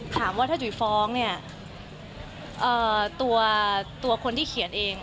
ถามว่าถ้าจุ๋ยฟ้องเนี่ยตัวคนที่เขียนเอง